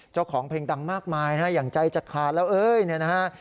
เจ้าของเพลงดังมากมายนะฮะอย่างใจจะขาดแล้วเอ้ยเนี่ยนะฮะ